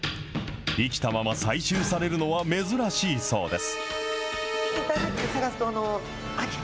生きたまま採集されるのは珍しいそうです。